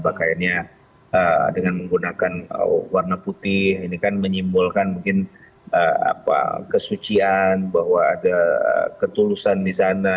pakaiannya dengan menggunakan warna putih ini kan menyimbolkan mungkin kesucian bahwa ada ketulusan di sana